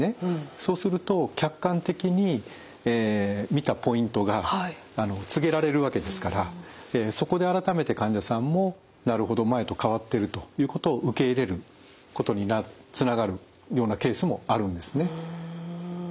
そうすると客観的に見たポイントが告げられるわけですからそこで改めて患者さんも「なるほど前と変わってる」ということを受け入れることにつながるようなケースもあるんですね。